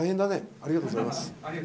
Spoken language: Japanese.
ありがとうございます。